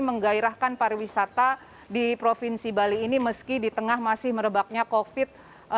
menggairahkan pariwisata di provinsi bali ini meski di tengah masih merebaknya covid sembilan belas